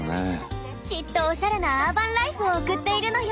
きっとおしゃれなアーバンライフを送っているのよ。